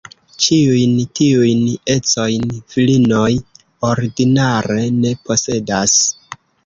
Ĉiujn tiujn ecojn virinoj ordinare ne posedas.